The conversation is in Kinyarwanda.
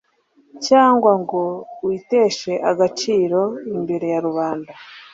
cyangwa ngo witeshe agaciro imbere ya rubanda